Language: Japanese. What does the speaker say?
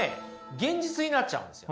現実になっちゃうんですよ。